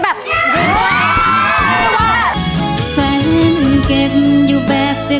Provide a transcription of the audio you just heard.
ผ่านยกที่สองไปได้นะครับคุณโอ